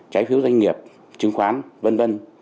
trái phiếu doanh nghiệp chứng khoán v v